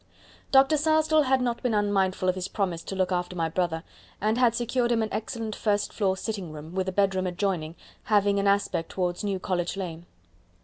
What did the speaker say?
Dr. Sarsdell had not been unmindful of his promise to look after my brother, and had secured him an excellent first floor sitting room, with a bedroom adjoining, having an aspect towards New College Lane.